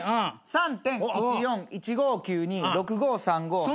３．１４１５９２６５３５８９７９。